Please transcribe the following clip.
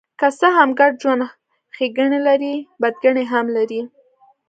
که څه هم ګډ ژوند ښېګڼې لري، بدګڼې هم لري.